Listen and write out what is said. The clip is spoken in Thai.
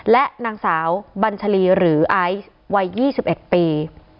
และนางสาวบัญชรีหรืออายุ๒๑ปี